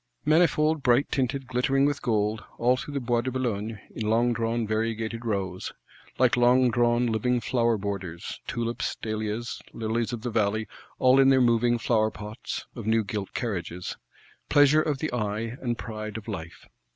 Manifold, bright tinted, glittering with gold; all through the Bois de Boulogne, in longdrawn variegated rows;—like longdrawn living flower borders, tulips, dahlias, lilies of the valley; all in their moving flower pots (of new gilt carriages): pleasure of the eye, and pride of life!